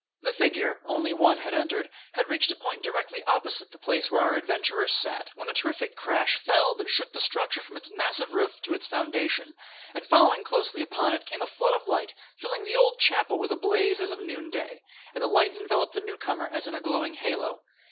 The figure only one had entered had reached a point directly opposite the place where our adventurers sat, when a terrific crash fell that shook the structure from its massive roof to its foundation; and following close upon it came a flood of light, filling the old chapel with a blaze as of noonday; and the light enveloped the new comer as in a glowing halo.